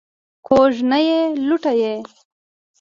کوږ نه یې لوټه یې.